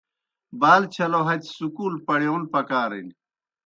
بال چھلو ہتیْ سکول پڑِیون پکارِن۔